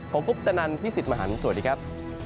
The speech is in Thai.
ผมพุทธนันพี่สิทธิ์มหันฯสวัสดีครับ